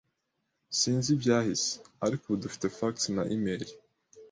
Sinzi ibyahise, ariko ubu dufite fax na imeri.